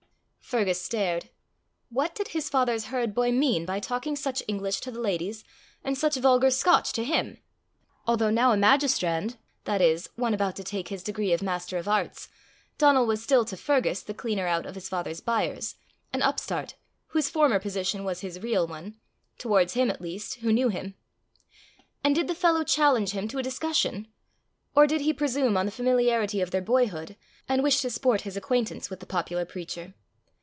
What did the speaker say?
Fergus stared. What did his father's herd boy mean by talking such English to the ladies, and such vulgar Scotch to him? Although now a magistrand that is, one about to take his degree of Master of Arts Donal was still to Fergus the cleaner out of his father's byres an upstart, whose former position was his real one towards him at least, who knew him. And did the fellow challenge him to a discussion? Or did he presume on the familiarity of their boyhood, and wish to sport his acquaintance with the popular preacher?